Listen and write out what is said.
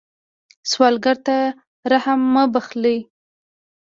سوالګر ته رحم مه بخلئ